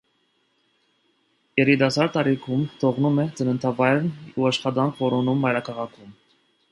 Երիտասարդ տարիքում թողնում է ծննդավայրն ու աշխատանք որոնում մայրաքաղաքում։